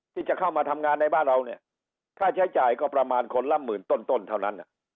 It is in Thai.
ที่จะเข้ามาทำงานในบ้านเราเนี่ยค่าใช้จ่ายก็ประมาณคนละหมื่นต้นเท่านั้น